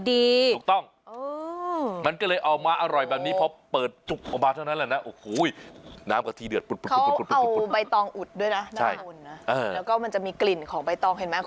ถูกต้องมันก็เลยเอามาอร่อยแบบนี้เพราะเปิดจุกออกมาเท่านั้นแหละนะ